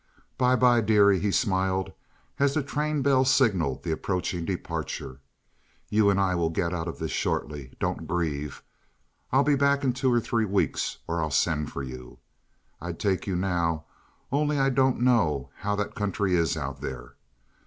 "By by, dearie," he smiled, as the train bell signaled the approaching departure. "You and I will get out of this shortly. Don't grieve. I'll be back in two or three weeks, or I'll send for you. I'd take you now, only I don't know how that country is out there.